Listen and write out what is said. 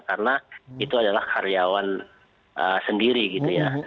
karena itu adalah karyawan sendiri gitu ya